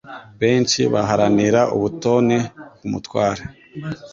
Benshi baharanira ubutoni ku mutware